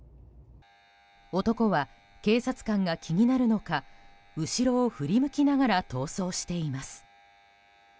男は警察官が気になるのか後ろを振り向きながら逃走しています。